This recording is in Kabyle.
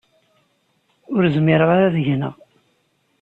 Ur zmireɣ ara ad gneɣ.